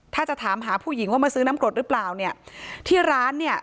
ถ้าจะถามหาผู้หญิงว่ามาซื้อน้ำกรดหรือเปล่าเนี่ยที่ร้านเนี่ย